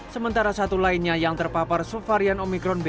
sementara satu lainnya yang terpapar subvarian omikron ba lima